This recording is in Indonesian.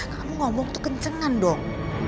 kamu ngomong tuh kencengan dong